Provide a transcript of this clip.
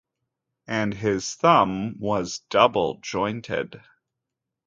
And his thumb was double-jointed.